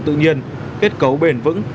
tự nhiên kết cấu bền vững